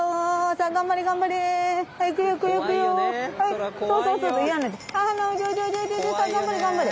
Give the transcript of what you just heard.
さあ頑張れ頑張れ。